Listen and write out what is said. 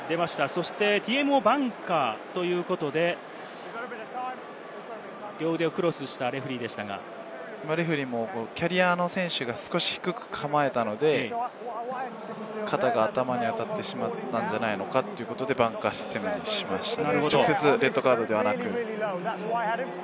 そしてＴＭＯバンカーということで、両腕をクロスしたレフェレフェリーもキャリアの選手が低く構えたので、肩が頭に当たってしまったんじゃないのかということでバンカーにしましたね。